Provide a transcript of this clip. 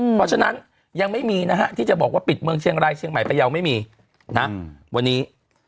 เพราะฉะนั้นยังไม่มีนะฮะที่จะบอกว่าปิดเมืองเชียงรายเชียงใหม่พยาวไม่มีนะวันนี้